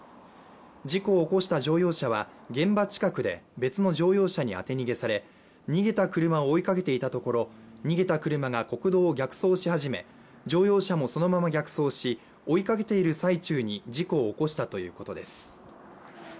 事故を起こした乗用車は現場近くで別の乗用車に当て逃げされ逃げた車を追いかけていたところ逃げた車が国道を逆走し始め乗用車もそのまま逆走し追いかけている最中に事故を起こしたということです。